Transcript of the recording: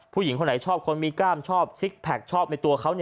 ผู้หญิงคนไหนชอบคนมีกล้ามชอบซิกแพคชอบในตัวเขา